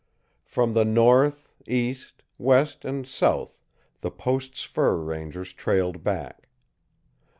From the north, east, west, and south the post's fur rangers trailed back.